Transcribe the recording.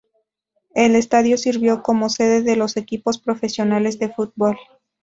El estadio sirvió como sede de dos equipos profesionales de fútbol.